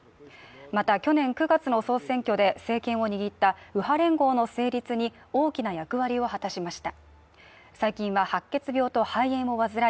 また去年９月の総選挙で政権を握った右派連合の成立に大きな役割を果たしました。